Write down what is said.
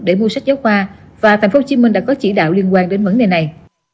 để mua sách giáo khoa và tp hcm đã có chỉ đạo liên quan đến vấn đề này